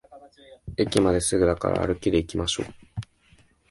駅まですぐだから歩きでいきましょう